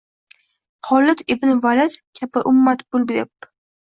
Holid ibn Valid kabi ummat bul deb